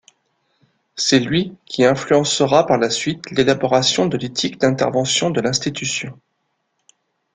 C’est lui qui influencera par la suite l’élaboration de l’éthique d’intervention de l’institution.